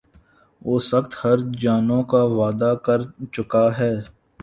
وہ سخت ہرجانوں کا وعدہ کر چُکا ہے